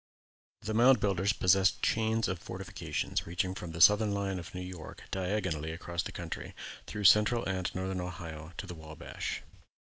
The Mound Builders possessed chains of fortifications reaching from the southern line of New York diagonally across the country, through Central and Northern Ohio to the Wabash.